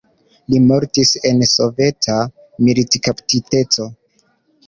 Li mortis en soveta militkaptiteco.